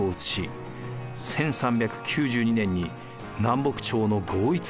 １３９２年に南北朝の合一を実現しました。